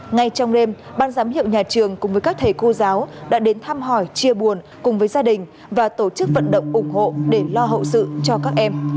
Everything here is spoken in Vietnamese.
ngay trong đêm ban giám hiệu nhà trường cùng với các thầy cô giáo đã đến thăm hỏi chia buồn cùng với gia đình và tổ chức vận động ủng hộ để lo hậu sự cho các em